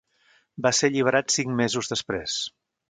Va ser alliberat cinc mesos després.